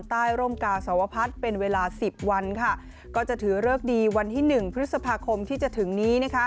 ใต้ร่มกาสวพัฒน์เป็นเวลา๑๐วันค่ะก็จะถือเลิกดีวันที่๑พฤษภาคมที่จะถึงนี้